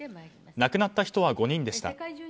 亡くなった人は５人でした。